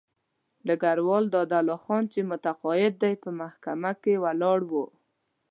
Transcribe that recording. ډګروال دادالله خان چې متقاعد دی په محکمه کې ولاړ وو.